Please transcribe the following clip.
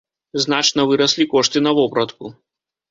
Значна выраслі кошты на вопратку.